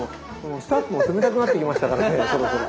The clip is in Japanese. スタッフも冷たくなってきましたからねそろそろ。